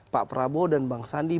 pak prabowo dan bang sandi